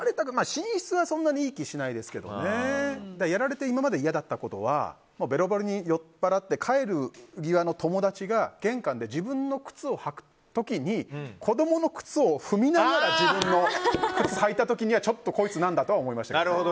寝室はそんなにいい気はしないですけど今まででやられて嫌なことはベロベロに酔っぱらって帰る際の友達が玄関で自分の靴を履く時に子供の靴を踏みながら自分の靴履いた時にはちょっとこいつ、なんだとは思いました。